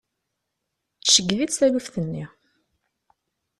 Tceggeb-itt taluft-nni.